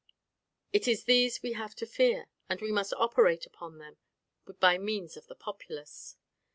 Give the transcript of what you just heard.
It is these we have to fear, and we must operate upon them by means of the populace.